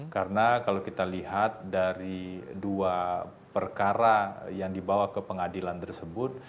karena kalau kita lihat dari dua perkara yang dibawa ke pengadilan tersebut